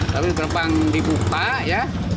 tapi gerbang dibuka ya